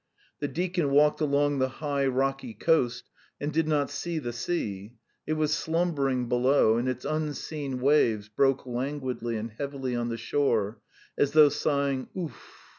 The deacon walked along the high rocky coast and did not see the sea; it was slumbering below, and its unseen waves broke languidly and heavily on the shore, as though sighing "Ouf!"